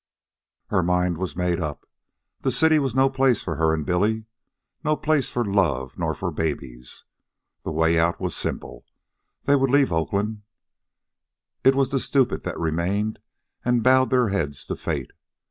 Her mind was made up. The city was no place for her and Billy, no place for love nor for babies. The way out was simple. They would leave Oakland. It was the stupid that remained and bowed their heads to fate.